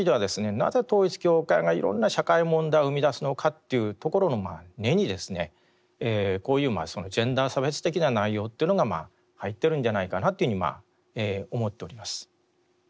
なぜ統一教会がいろんな社会問題を生みだすのかというところの根にですねこういうジェンダー差別的な内容というのが入っているんじゃないかなというふうに思っております。